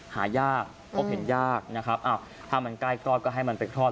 หายากพบเห็นยากถ้ามันใกล้กอดก็ให้มันเป็นคลอด